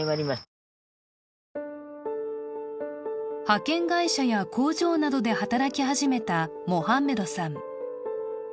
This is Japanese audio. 派遣会社や工場などで働き始めたモハンメドさん。